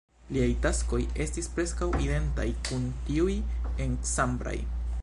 Liaj taskoj estis preskaŭ identaj kun tiuj en Cambrai.